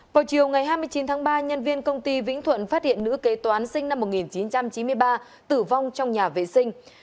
vào chiều ngày hai mươi chín tháng ba nhân viên công ty vĩnh thuận phát hiện nữ kế toán sinh năm một nghìn chín trăm chín mươi ba tử vong trong nhà vệ sinh